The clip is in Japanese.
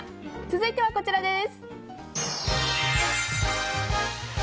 続いては、こちらです。